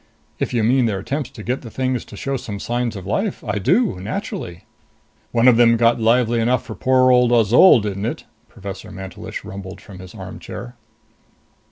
"If you mean their attempts to get the things to show some signs of life, I do, naturally." "One of them got lively enough for poor old Azol, didn't it?" Professor Mantelish rumbled from his armchair.